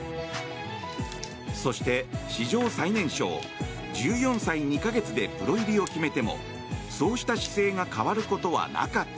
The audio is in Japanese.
そして、史上最年少１４歳２か月でプロ入りを決めてもそうした姿勢が変わることはなかった。